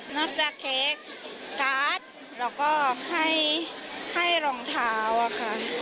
จากเค้กการ์ดแล้วก็ให้รองเท้าอะค่ะ